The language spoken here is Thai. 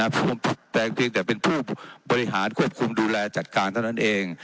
แต่เพียงแต่เป็นผู้บริหารควบคุมดูแลจัดการเท่านั้นเอง